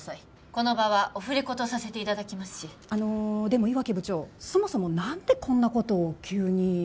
この場はオフレコとさせていただきますしあのでも岩木部長そもそも何でこんなことを急に？